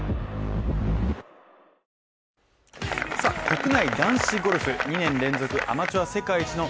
国内男子ゴルフ、２年連続アマチュア世界一の